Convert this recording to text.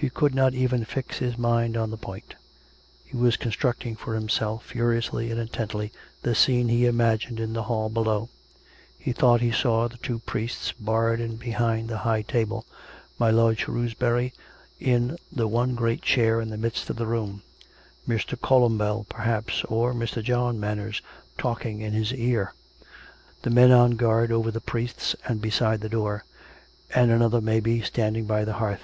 He could not even fix his mind on the point; he was constructing for himself, furiously and intently, the scene he imagined in the hall below; he thought he saw the two priests barred in behind the high table; my lord Shrewsbury in the one great chair in the midst of the room; Mr. Columbell, perhaps, or Mr. John Manners talking in his ear; the men on guard over the priests and beside the door; and another, maybe, standing by the hearth.